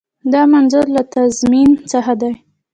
دا منظور له تضمین څخه دی.